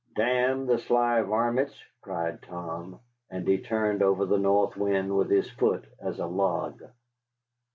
"Damn the sly varmints," cried Tom, and he turned over the North Wind with his foot, as a log.